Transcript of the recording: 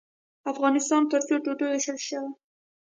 افغانستان پر څو ټوټو ووېشل شي.